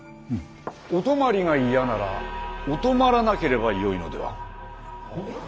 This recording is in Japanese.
お泊まりが嫌ならお泊まらなければよいのでは？